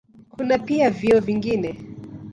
Kuna pia vyeo vingine.